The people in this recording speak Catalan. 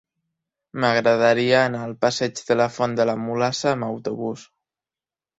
M'agradaria anar al passeig de la Font de la Mulassa amb autobús.